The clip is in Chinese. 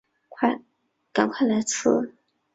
赶快来吃